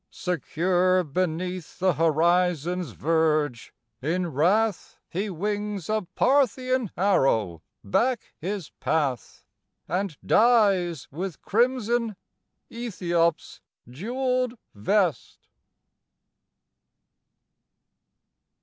Secure beneath the horizon's verge, in wrath He wings a Parthian arrow back his path, And dyes with crimson Ethiop's jeweled vest.